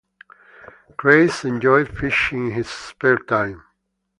Craze enjoyed fishing in his spare time.